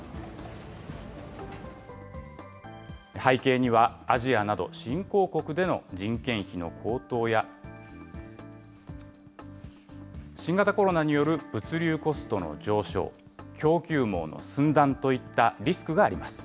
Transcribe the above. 背景には、アジアなど新興国での人件費の高騰や、新型コロナによる物流コストの上昇、供給網の寸断といったリスクがあります。